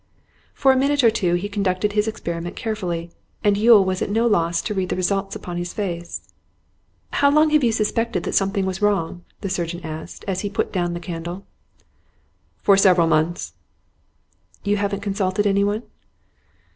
For a minute or two he conducted his experiment carefully, and Yule was at no loss to read the result upon his face. 'How long have you suspected that something was wrong?' the surgeon asked, as he put down the candle. 'For several months.' 'You haven't consulted anyone?